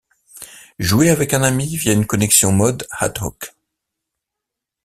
Jouez avec un ami via une connexion Mode Ad Hoc!